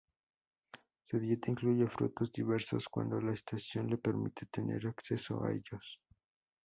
Su dieta incluye frutos diversos, cuando la estación le permite tener acceso a ellos.